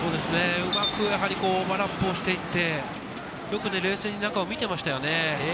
うまくオーバーラップしていって、よく冷静に中を見ていましたよね。